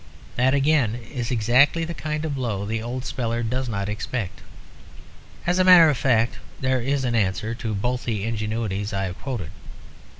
That, again, is exactly the kind of blow the old speller does not expect. As a matter of fact there is an answer to both the ingenuities I have quoted.